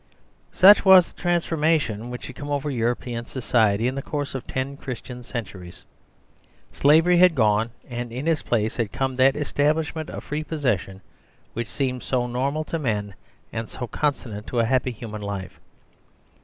Such was the transformation which had come over European society in the courseof ten Christian centur ies. Slavery had gone, and in itsplace had come that establishment of free possession whichseemedsonor mal to men, and so consonant to a happy human life.